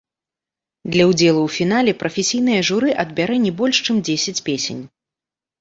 Для ўдзелу ў фінале прафесійнае журы адбярэ не больш чым дзесяць песень.